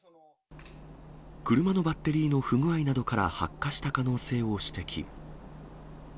車のバッテリーの不具合などから発火した可能性を指摘。